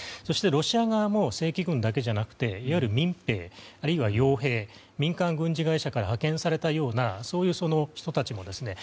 そしてロシア側も正規軍だけではなくていわゆる民兵あるいは傭兵、民間軍事会社から派遣されたような人たちもいます。